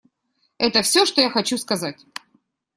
Это все, что я хочу сказать.